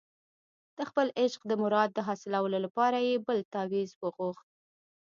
د خپل عشق د مراد د حاصلولو لپاره یې بل تاویز وغوښت.